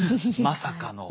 まさかの。